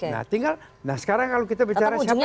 nah tinggal sekarang kalau kita bicara siapa yang figur